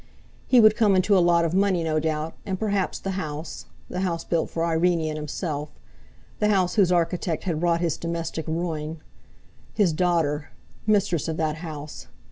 He would come into a lot of money, no doubt, and perhaps the house—the house built for Irene and himself—the house whose architect had wrought his domestic ruin. His daughter—mistress of that house!